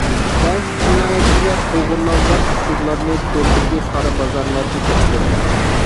بەزى جىنايەتچىلەر، ئوغرىلانغان ئۇچۇرلارنى توردىكى قارا بازارلاردا ساتىدۇ.